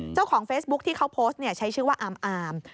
เจ้าของเฟซบุ๊คที่เขาโพสต์ใช้ชื่อว่าอาม